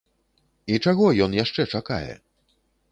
І чаго ён яшчэ чакае?